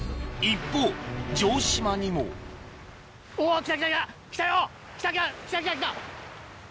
一方城島にもおっ！